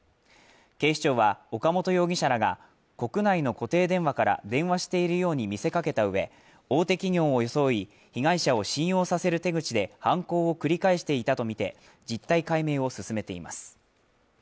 警視庁は岡本容疑者らが、国内の固定電話から電話しているように見せかけた上大手企業を装い、被害者を信用させる手口で犯行を繰り返していたとみて、実態解明を進めています。